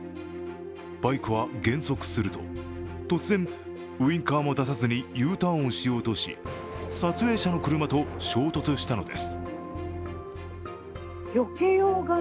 バイクは減速すると、突然ウインカーも出さずに、Ｕターンをしようとし撮影者の車と衝突したのです。